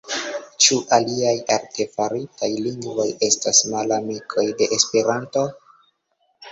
Ĉu aliaj artefaritaj lingvoj estas malamikoj de Esperanto?